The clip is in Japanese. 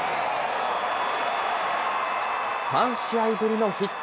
３試合ぶりのヒット。